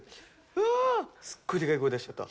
うわあ、すっごいでかい声出しちゃった。